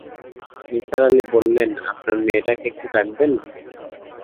নিসার আলি বললেন, আপনার মেয়েটাকে একটু ডাকবেন?